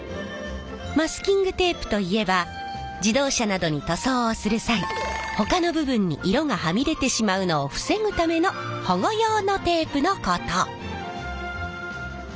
マスキングテープといえば自動車などに塗装をする際ほかの部分に色がはみ出てしまうのを防ぐための保護用のテープのこと。